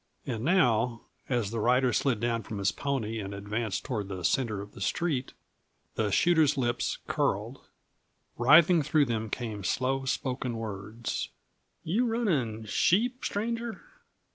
And now, as the rider slid down from his pony and advanced toward the center of the street, the shooter's lips curled. Writhing through them came slow spoken words. "You runnin' sheep, stranger?"